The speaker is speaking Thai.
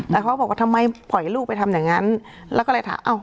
แต่เขาบอกว่าทำไมปล่อยลูกไปทำอย่างนั้นแล้วก็เลยถามอ้าว